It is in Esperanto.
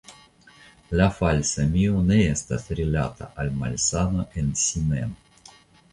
La falsa Mio ne estas rilata al malsano en si mem.